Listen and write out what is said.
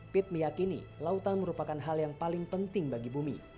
pit meyakini lautan merupakan hal yang paling penting bagi bumi